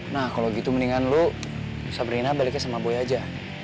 nah kalau gitu mendingan lu sabrina baliknya sama boy aja